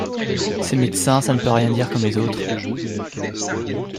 Ces médecins, ça ne peut rien dire comme les autres…